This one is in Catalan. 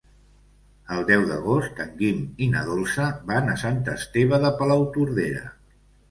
El deu d'agost en Guim i na Dolça van a Sant Esteve de Palautordera.